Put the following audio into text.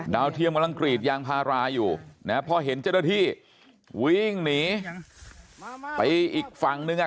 เทียมกำลังกรีดยางพาราอยู่นะพอเห็นเจ้าหน้าที่วิ่งหนีไปอีกฝั่งนึงอ่ะ